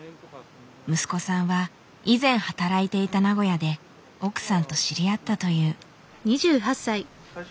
息子さんは以前働いていた名古屋で奥さんと知り合ったという。